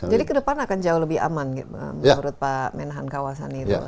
jadi ke depan akan jauh lebih aman menurut pak menahan kawasan itu